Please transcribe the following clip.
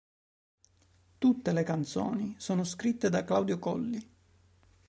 Tutte le canzoni sono scritte da Claudio Lolli.